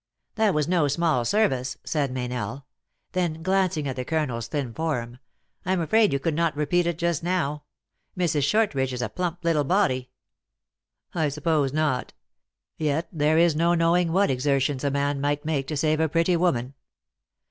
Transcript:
" That was no small service," said Meynell ; then, glancing at the colonel s thin form, " I am afraid you could not repeat it just now. Mrs. Shortridge is a plump little body." "I suppose not. Yet there is no knowing what exertions a man might make to save a pretty woman.